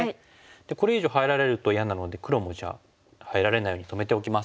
これ以上入られると嫌なので黒もじゃあ入られないように止めておきます。